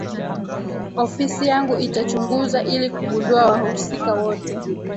ofisi yangu itachunguza ili kugundua wahusika wote